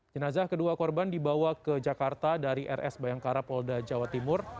jenazah kedua korban dibawa ke jakarta dari rs bayangkara polda jawa timur